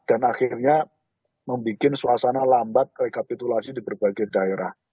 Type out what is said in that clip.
dan akhirnya membuat suasana lambat rekapitulasi di berbagai daerah